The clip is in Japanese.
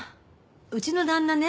うちの旦那ね